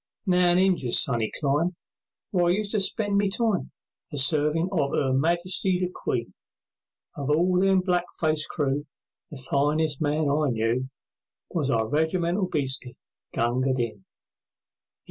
Now in Injia's sunny clime, Where I used to spend my time, A servin' of 'Er Majesty the Queen, Of all them blackfaced crew, The finest man I knew Was our regimental bhisti, Gunga Din.